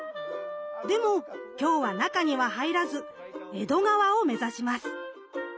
でも今日は中には入らず江戸川を目指します！